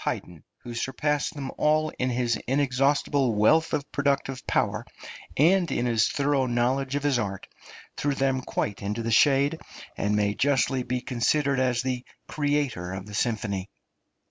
Haydn, who surpassed them all in his inexhaustible wealth of productive power and in his thorough knowledge of his art, threw them quite into the shade, and may justly be considered as the creator of the symphony.